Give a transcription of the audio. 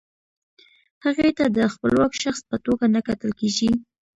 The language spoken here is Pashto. هغې ته د خپلواک شخص په توګه نه کتل کیږي.